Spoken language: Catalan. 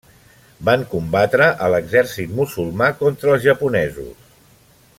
Van combatre a l'exèrcit musulmà contra els japonesos.